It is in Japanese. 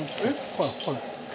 ほらこれ。